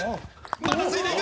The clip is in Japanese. まだついていく。